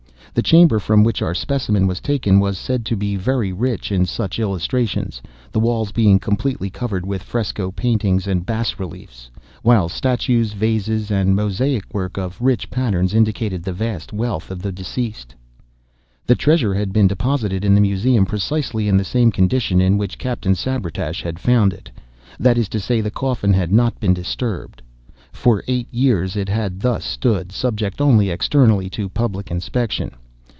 The chamber from which our specimen was taken, was said to be very rich in such illustrations—the walls being completely covered with fresco paintings and bas reliefs, while statues, vases, and Mosaic work of rich patterns, indicated the vast wealth of the deceased. The treasure had been deposited in the Museum precisely in the same condition in which Captain Sabretash had found it—that is to say, the coffin had not been disturbed. For eight years it had thus stood, subject only externally to public inspection.